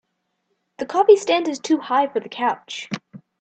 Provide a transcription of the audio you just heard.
The coffee stand is too high for the couch.